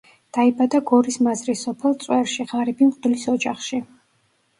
დაიბადა გორის მაზრის სოფელ წვერში, ღარიბი მღვდლის ოჯახში.